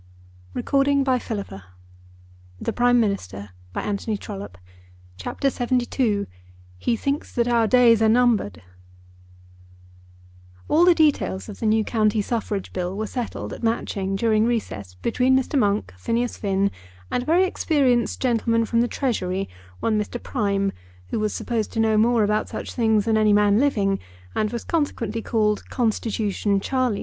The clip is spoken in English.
But that he will ask her to be his wife is as certain as that I stand here." CHAPTER LXXII "He Thinks That Our Days Are Numbered" All the details of the new County Suffrage Bill were settled at Matching during the recess between Mr. Monk, Phineas Finn, and a very experienced gentleman from the Treasury, one Mr. Prime, who was supposed to know more about such things than any man living, and was consequently called Constitution Charlie.